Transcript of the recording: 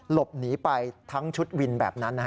หลบหนีไปทั้งชุดวินแบบนั้น